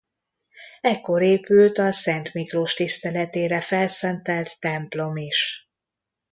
Ekkor épült a Szent Miklós tiszteletére felszentelt templom is.